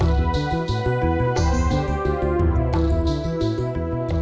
harap senang dari insya allah